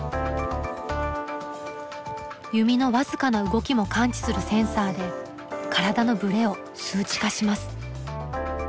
弓の僅かな動きも感知するセンサーで体のブレを数値化します。